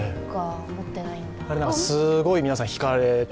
すごい皆さん引かれた。